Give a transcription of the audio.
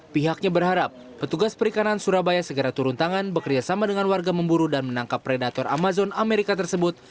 pihaknya berharap petugas perikanan surabaya segera turun tangan bekerjasama dengan warga memburu dan menangkap predator amazon amerika tersebut